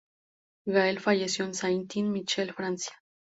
Gaël falleció en Saint-Michel, Francia.